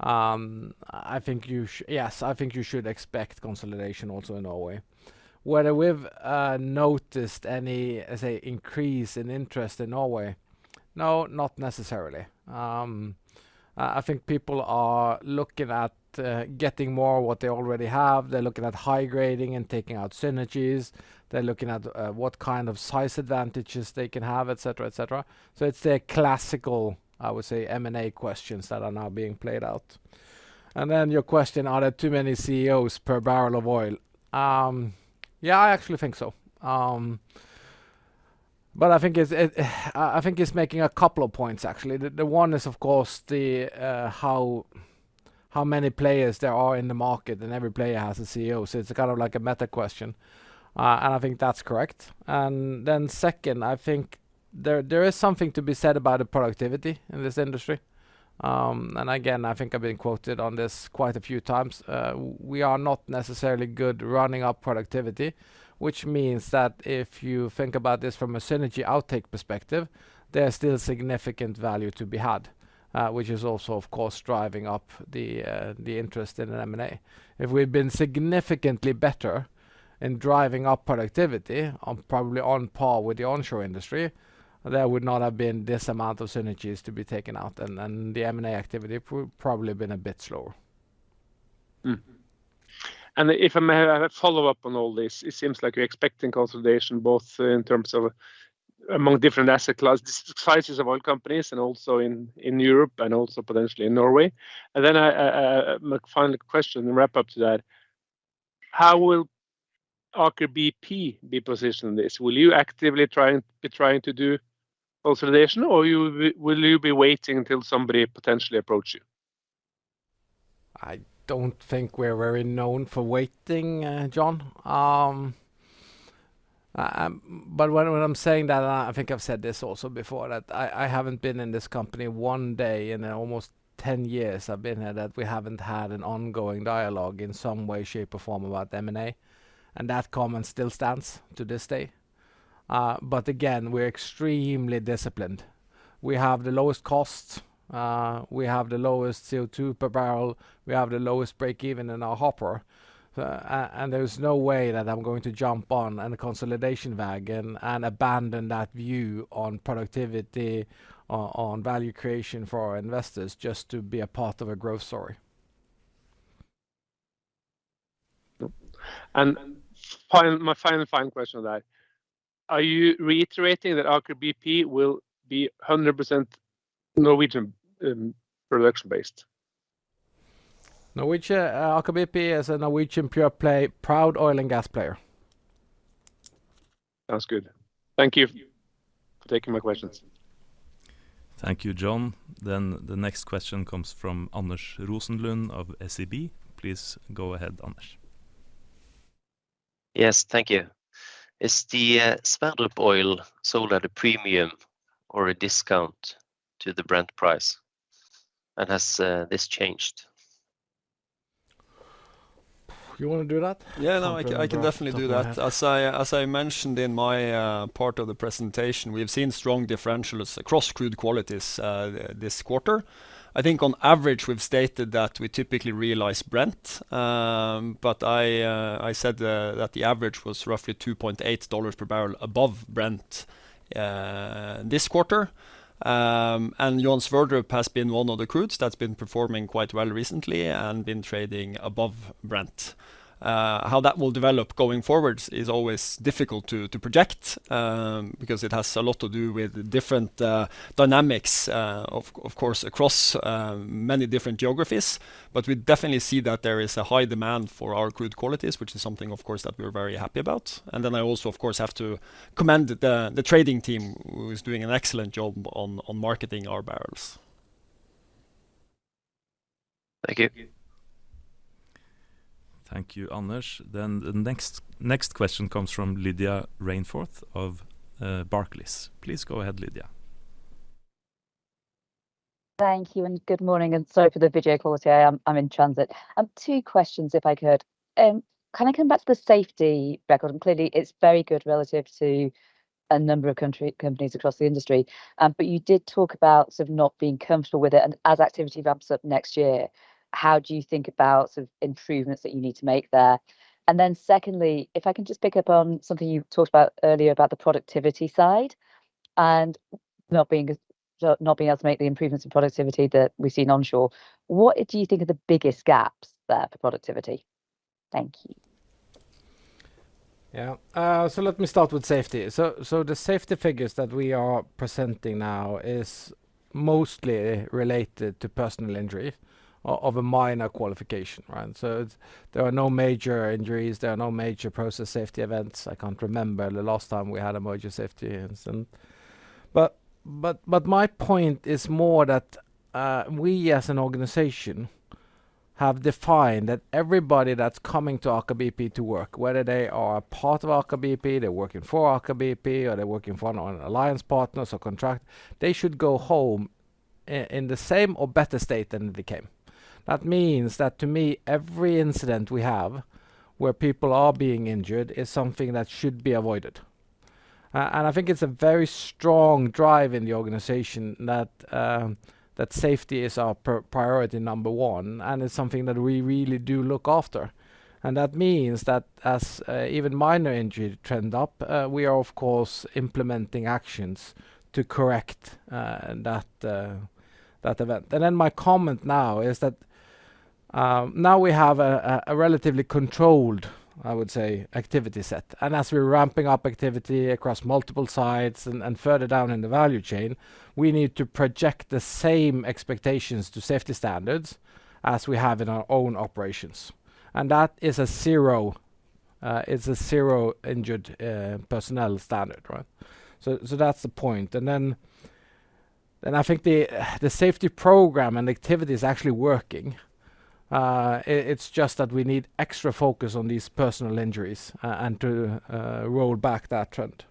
I think you yes, I think you should expect consolidation also in Norway. Whether we've noticed any as an increase in interest in Norway... No, not necessarily. I think people are looking at getting more what they already have. They're looking at high grading and taking out synergies. They're looking at what kind of size advantages they can have, et cetera, et cetera. So it's the classical, I would say, M&A questions that are now being played out. And then your question, are there too many CEOs per barrel of oil? Yeah, I actually think so. But I think it's making a couple of points, actually. The one is, of course, how many players there are in the market, and every player has a CEO, so it's kind of like a meta question. And I think that's correct. And then second, I think there is something to be said about the productivity in this industry. Again, I think I've been quoted on this quite a few times. We are not necessarily good running up productivity, which means that if you think about this from a synergy outtake perspective, there's still significant value to be had, which is also, of course, driving up the interest in an M&A. If we've been significantly better in driving up productivity on, probably on par with the onshore industry, there would not have been this amount of synergies to be taken out, and then the M&A activity probably been a bit slower. Mm-hmm. And if I may, I have a follow-up on all this. It seems like you're expecting consolidation, both in terms of among different asset class, sizes of oil companies, and also in Europe, and also potentially in Norway. And then, my final question, and wrap up to that: How will Aker BP be positioned in this? Will you actively trying, be trying to do consolidation, or you will, will you be waiting until somebody potentially approach you? I don't think we're very known for waiting, John. But what I'm saying that, I think I've said this also before, that I haven't been in this company one day in the almost 10 years I've been here, that we haven't had an ongoing dialogue in some way, shape, or form about M&A, and that comment still stands to this day. But again, we're extremely disciplined. We have the lowest costs, we have the lowest CO2 per barrel, we have the lowest breakeven in our hopper. And there is no way that I'm going to jump on an consolidation wagon and abandon that view on productivity, on value creation for our investors, just to be a part of a growth story. Yep. And my final, final question on that, are you reiterating that Aker BP will be 100% Norwegian in production based? Norway, Aker BP is a Norwegian pure play, proud oil and gas player. Sounds good. Thank you for taking my questions. Thank you, John. Then the next question comes from Anders Rosenlund of SEB. Please go ahead, Anders. Yes, thank you. Is the Sverdrup oil sold at a premium or a discount to the Brent price, and has this changed? You wanna do that? Yeah, no, I can definitely do that. Okay. As I mentioned in my part of the presentation, we've seen strong differentials across crude qualities, this quarter. I think on average, we've stated that we typically realize Brent. But I said that the average was roughly $2.8 per barrel above Brent, this quarter. And Johan Sverdrup has been one of the crudes that's been performing quite well recently and been trading above Brent. How that will develop going forward is always difficult to project, because it has a lot to do with the different dynamics, of course, across many different geographies. But we definitely see that there is a high demand for our crude qualities, which is something, of course, that we're very happy about. And then I also, of course, have to commend the trading team, who is doing an excellent job on marketing our barrels. Thank you. Thank you, Anders. The next question comes from Lydia Rainforth of Barclays. Please go ahead, Lydia. Thank you, and good morning, and sorry for the video quality. I, I'm in transit. Two questions, if I could. Can I come back to the safety record? And clearly, it's very good relative to a number of countries, companies across the industry. But you did talk about sort of not being comfortable with it, and as activity ramps up next year, how do you think about the improvements that you need to make there? And then secondly, if I can just pick up on something you talked about earlier, about the productivity side and not being as, not being able to make the improvements in productivity that we've seen onshore. What do you think are the biggest gaps there for productivity? Thank you. Yeah. So let me start with safety. So the safety figures that we are presenting now is mostly related to personal injury of a minor qualification, right? So it's, there are no major injuries, there are no major process safety events. I can't remember the last time we had a major safety incident. But my point is more that, we, as an organization, have defined that everybody that's coming to Aker BP to work, whether they are a part of Aker BP, they're working for Aker BP, or they're working for one of our alliance partners or contract, they should go home in the same or better state than they came. That means that to me, every incident we have, where people are being injured, is something that should be avoided. I think it's a very strong drive in the organization that safety is our priority number one, and it's something that we really do look after. That means that as even minor injuries trend up, we are, of course, implementing actions to correct that event. Now we have a relatively controlled, I would say, activity set. As we're ramping up activity across multiple sites and further down in the value chain, we need to project the same expectations to safety standards as we have in our own operations. That is a zero, it's a zero injured personnel standard, right? So that's the point. I think the safety program and activity is actually working. It's just that we need extra focus on these personal injuries and to roll back that trend.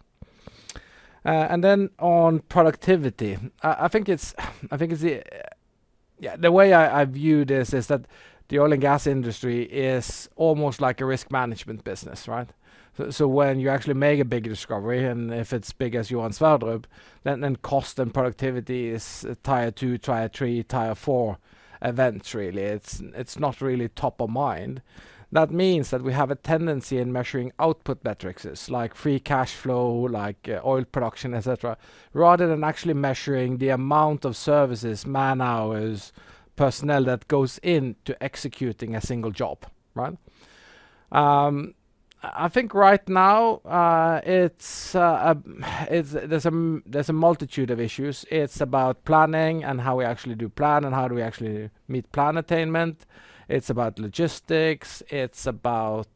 And then on productivity, I think it's the... Yeah, the way I view this is that the oil and gas industry is almost like a risk management business, right? So when you actually make a big discovery, and if it's big as Johan Sverdrup, then cost and productivity is tier two, tier three, tier four events, really. It's not really top of mind. That means that we have a tendency in measuring output metrics, like free cash flow, like oil production, et cetera, rather than actually measuring the amount of services, man-hours, personnel that goes into executing a single job, right? I think right now, there's a multitude of issues. It's about planning and how we actually do plan, and how do we actually meet plan attainment. It's about logistics, it's about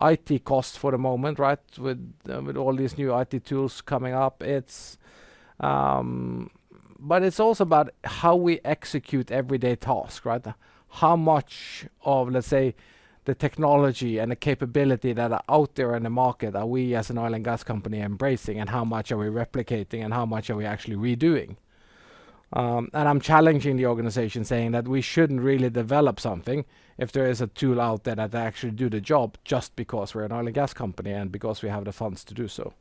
IT costs for the moment, right? With all these new IT tools coming up, it's... But it's also about how we execute everyday tasks, right? How much of, let's say, the technology and the capability that are out there in the market, are we, as an oil and gas company, embracing, and how much are we replicating, and how much are we actually redoing? And I'm challenging the organization, saying that we shouldn't really develop something if there is a tool out there that actually do the job just because we're an oil and gas company and because we have the funds to do so.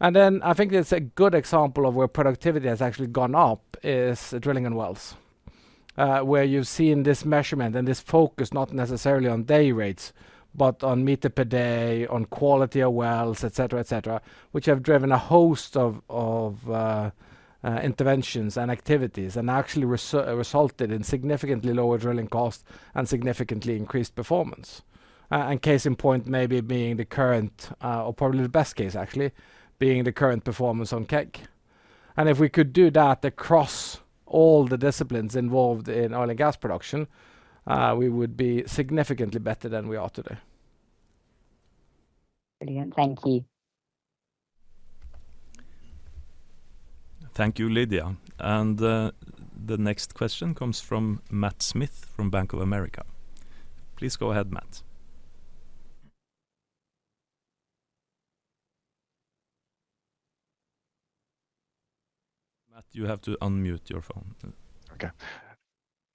And then, I think it's a good example of where productivity has actually gone up is drilling in wells. Where you've seen this measurement and this focus, not necessarily on day rates, but on meter per day, on quality of wells, et cetera, et cetera, which have driven a host of interventions and activities, and actually resulted in significantly lower drilling costs and significantly increased performance. And case in point maybe being the current, or probably the best case actually, being the current performance on KEG. If we could do that across all the disciplines involved in oil and gas production, we would be significantly better than we are today. Brilliant. Thank you. Thank you, Lydia. And, the next question comes from Matt Smith from Bank of America. Please go ahead, Matt. Matt, you have to unmute your phone. Okay.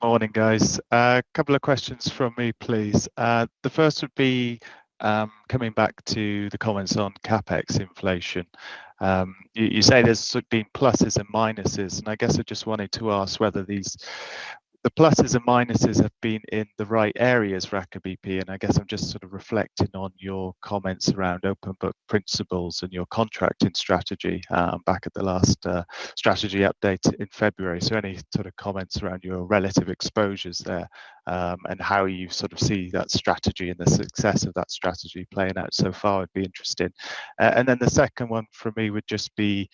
Morning, guys. A couple of questions from me, please. The first would be, coming back to the comments on CapEx inflation. You, you say there's sort of been pluses and minuses, and I guess I just wanted to ask whether these, the pluses and minuses have been in the right areas for Aker BP, and I guess I'm just sort of reflecting on your comments around open book principles and your contracting strategy, back at the last, strategy update in February. So any sort of comments around your relative exposures there, and how you sort of see that strategy and the success of that strategy playing out so far, I'd be interested. And then the second one from me would just be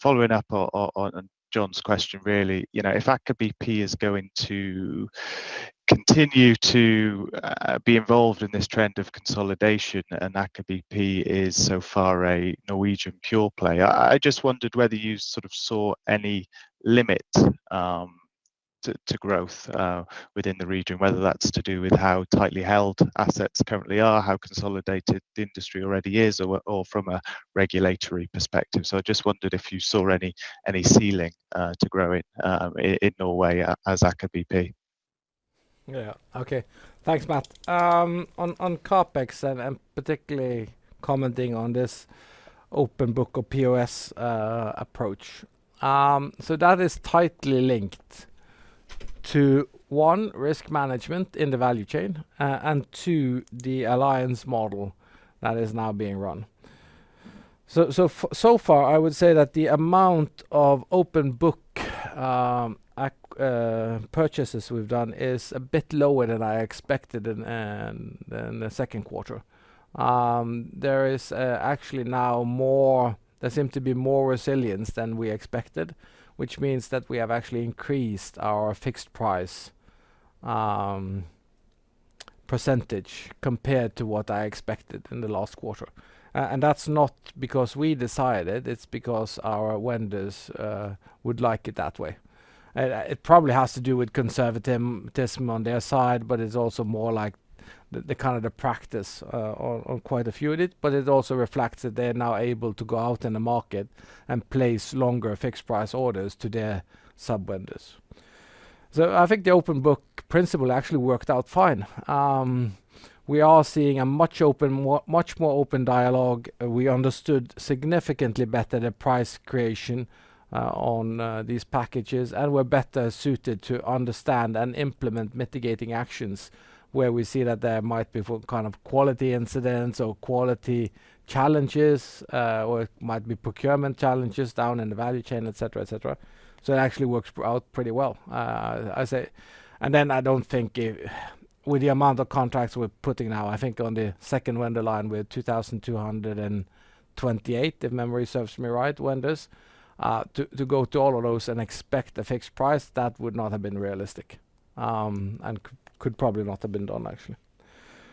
following up on John's question, really, you know, if Aker BP is going to continue to be involved in this trend of consolidation, and Aker BP is, so far, a Norwegian pure play. I just wondered whether you sort of saw any limit to growth within the region, whether that's to do with how tightly held assets currently are, how consolidated the industry already is, or from a regulatory perspective. So I just wondered if you saw any ceiling to grow in Norway as Aker BP. Yeah. Okay. Thanks, Matt. On CapEx, and particularly commenting on this open book or POs approach. So that is tightly linked to, one, risk management in the value chain, and two, the Alliance Model that is now being run. So far, I would say that the amount of open book purchases we've done is a bit lower than I expected in the second quarter. There is actually now more... There seem to be more resilience than we expected, which means that we have actually increased our fixed price percentage compared to what I expected in the last quarter. And that's not because we decided, it's because our vendors would like it that way. It probably has to do with conservatism on their side, but it's also more like the kind of practice on quite a few of it. But it also reflects that they are now able to go out in the market and place longer fixed price orders to their sub-vendors. So I think the open book principle actually worked out fine. We are seeing a much more open dialogue. We understood significantly better the price creation on these packages, and we're better suited to understand and implement mitigating actions where we see that there might be kind of quality incidents or quality challenges, or it might be procurement challenges down in the value chain, et cetera, et cetera. So it actually works out pretty well. I say... And then I don't think it with the amount of contracts we're putting now, I think on the second vendor line, we're 2,228, if memory serves me right, vendors. To go to all of those and expect a fixed price, that would not have been realistic... and could probably not have been done actually.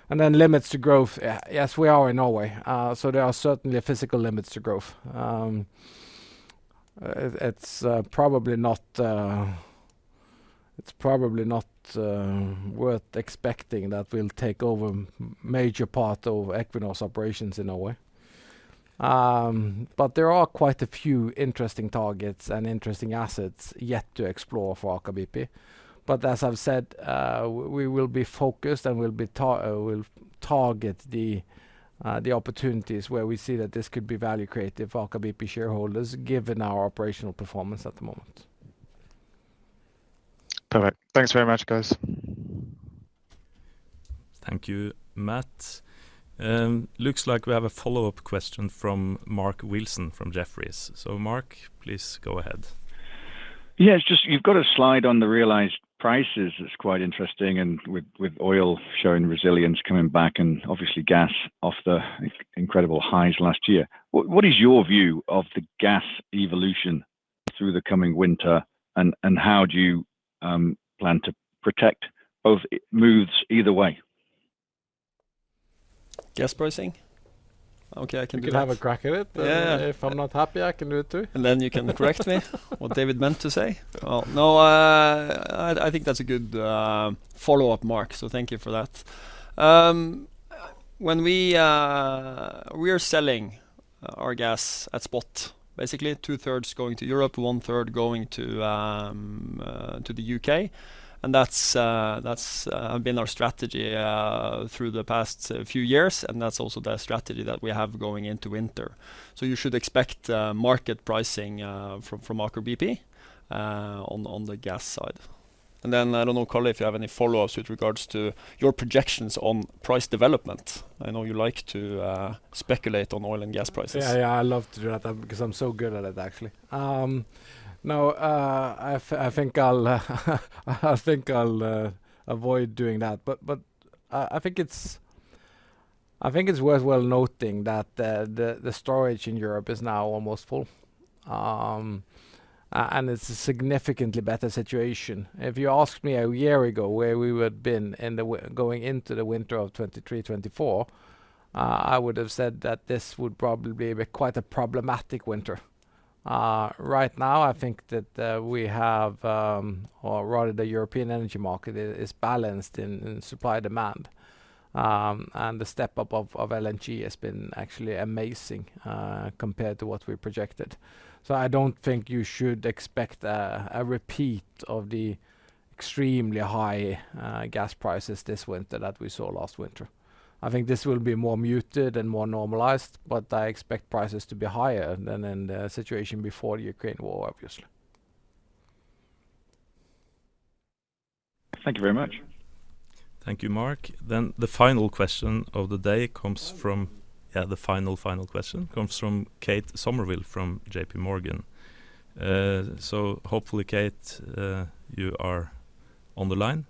And then limits to growth, yes, we are in Norway. So there are certainly physical limits to growth. It's probably not worth expecting that we'll take over major part of Equinor's operations in Norway. But there are quite a few interesting targets and interesting assets yet to explore for Aker BP. But as I've said, we will be focused, and we'll be, we'll target the opportunities where we see that this could be value creative for Aker BP shareholders, given our operational performance at the moment. Perfect. Thanks very much, guys. Thank you, Matt. Looks like we have a follow-up question from Mark Wilson from Jefferies. So Mark, please go ahead. Yeah, it's just you've got a slide on the realized prices that's quite interesting, and with oil showing resilience coming back and obviously gas off the incredible highs last year. What is your view of the gas evolution through the coming winter, and how do you plan to protect both moves either way? Gas pricing? Okay, I can do that. You can have a crack at it. Yeah. If I'm not happy, I can do it, too. And then you can correct me, what David meant to say. Well, no, I think that's a good follow-up, Mark, so thank you for that. When we are selling our gas at spot. Basically, two-thirds going to Europe, one-third going to the UK, and that's been our strategy through the past few years, and that's also the strategy that we have going into winter. So you should expect market pricing from Aker BP on the gas side. And then, I don't know, Karl, if you have any follow-ups with regards to your projections on price development. I know you like to speculate on oil and gas prices. Yeah, yeah, I love to do that, because I'm so good at it, actually. No, I think I'll, I think I'll avoid doing that. But, I think it's worth well noting that the storage in Europe is now almost full. And it's a significantly better situation. If you asked me a year ago where we would've been going into the winter of 2023, 2024, I would've said that this would probably be quite a problematic winter. Right now, I think that we have, or rather the European energy market is balanced in supply-demand. And the step up of LNG has been actually amazing, compared to what we projected. So I don't think you should expect a repeat of the extremely high gas prices this winter that we saw last winter. I think this will be more muted and more normalized, but I expect prices to be higher than in the situation before the Ukraine war, obviously. Thank you very much. Thank you, Mark. Then the final question of the day comes from... Yeah, the final, final question comes from Kate O'Sullivan from J.P. Morgan. So hopefully, Kate, you are on the line.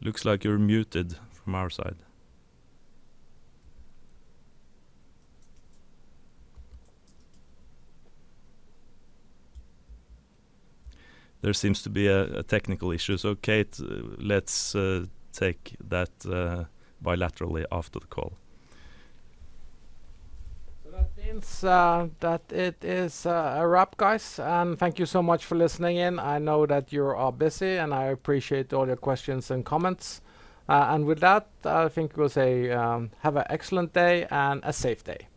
Unmute her. Looks like you're muted from our side. There seems to be a technical issue. So, Kate, let's take that bilaterally after the call. So that means that it is a wrap, guys, and thank you so much for listening in. I know that you are busy, and I appreciate all your questions and comments. And with that, I think we'll say have an excellent day and a safe day.